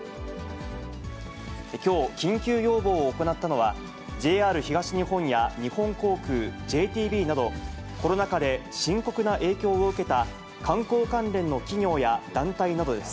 きょう、緊急要望を行ったのは、ＪＲ東日本や日本航空、ＪＴＢなど、コロナ禍で深刻な影響を受けた観光関連の企業や団体などです。